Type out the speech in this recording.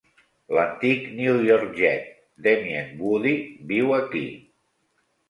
L'antic New York Jet, Damien Woody, viu aquí.